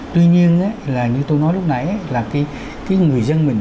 tuy nhiên là như tôi nói lúc nãy là cái người dân mình